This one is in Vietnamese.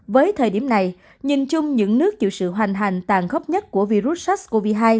với thời điểm này nhìn chung những nước chịu sự hoành hành tàn khốc nhất của virus sars cov hai